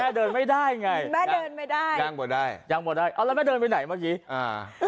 แม่เดินไม่ได้ย่างไม่ได้ย่างไม่ได้เอ้าแล้วแม่เดินไปไหนเมื่อกี้อ่า